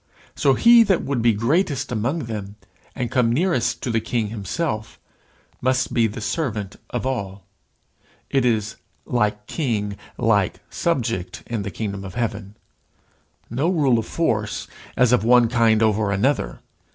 So he that would be greatest among them, and come nearest to the King himself, must be the servant of all. It is like king like subject in the kingdom of heaven. No rule of force, as of one kind over another kind.